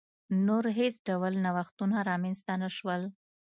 نور هېڅ ډول نوښتونه رامنځته نه شول.